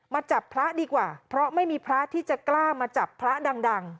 จับพระดีกว่าเพราะไม่มีพระที่จะกล้ามาจับพระดัง